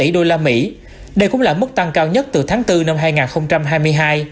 đây cũng là mức tăng cao nhất từ tháng bốn năm hai nghìn hai mươi hai